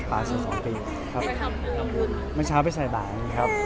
ตลอดซีน